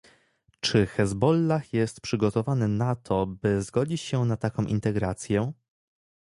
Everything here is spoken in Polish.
Czy Hezbollah jest przygotowany na to, by zgodzić się na taką integrację?